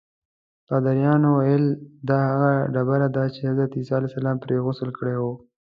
پادریانو ویلي دا هغه ډبره ده چې حضرت عیسی پرې غسل کړی و.